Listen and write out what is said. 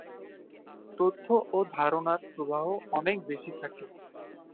তথ্য ও ধারণার প্রবাহ অনেক বেশি থাকে।